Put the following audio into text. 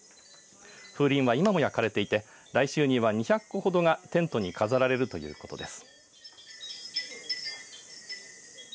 風鈴は今も焼かれていて来週には２００個ほどがテントに飾られるということです。